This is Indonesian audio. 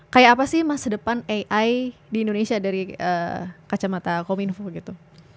kayak apa sih masa depan ai di indonesia dari kacamata kominfo begitu